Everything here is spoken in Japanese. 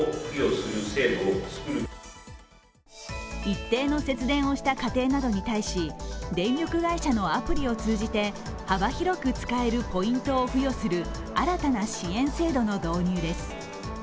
一定の節電をした家庭などに対し電力会社のアプリを通じて幅広く使えるポイントを付与する新たな支援制度の導入です。